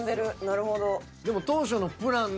なるほど。